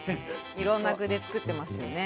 いろんな具で作ってますよね。